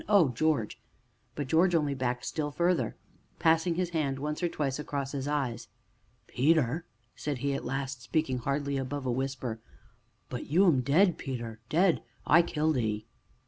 "Oh, George!" But George only backed still farther, passing his hand once or twice across his eyes. "Peter?" said he at last, speaking hardly above a whisper; "but you 'm dead, Peter, dead I killed 'ee."